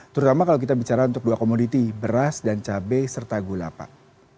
terutama kalau kita bicara untuk dua komoditi beras dan cabai serta gula pak